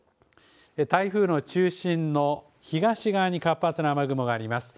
台風の中心の東側に活発な雨雲があります。